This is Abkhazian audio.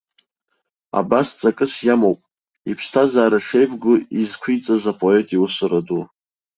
Абас ҵакыс иамоуп, иԥсҭазаара шеибгоу изқәиҵаз апоет иусура ду.